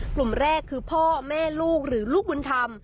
กลุ่มแรกคือพ่อแม่ลูกหรือลูกบุญธรรม